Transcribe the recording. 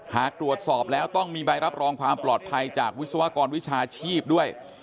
หากตรวจสอบแล้วต้องมีใบรับรองความปลอดภัยจากวิศวกรวิชาชีพด้วย